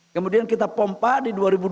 kemudian kita pompa di dua ribu dua puluh